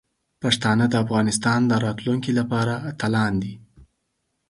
پښتانه د افغانستان د راتلونکي لپاره اتلان دي.